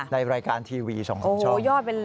ในรายการทีวีส่องของช่อง